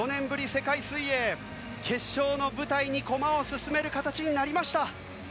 世界水泳決勝の舞台に駒を進める形になりました。